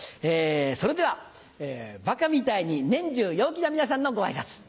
それではバカみたいに年中陽気な皆さんのご挨拶。